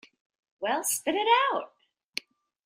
Well, spit it out!